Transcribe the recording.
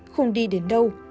không đi đến đâu